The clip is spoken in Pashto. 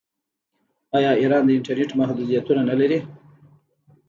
آیا ایران د انټرنیټ محدودیتونه نلري؟